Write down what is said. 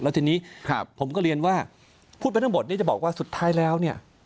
แล้วทีนี้ผมก็เรียนว่าพูดไปทั้งหมดเนี่ยจะบอกว่าสุดท้ายแล้วเนี่ย